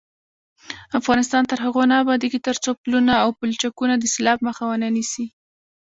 افغانستان تر هغو نه ابادیږي، ترڅو پلونه او پلچکونه د سیلاب مخه ونه نیسي.